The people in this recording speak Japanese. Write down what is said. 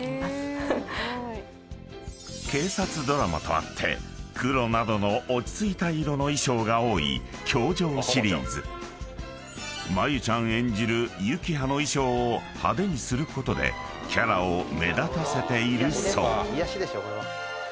［警察ドラマとあって黒などの落ち着いた色の衣装が多い教場シリーズ］［真由ちゃん演じる幸葉の衣装を派手にすることでキャラを目立たせているそう］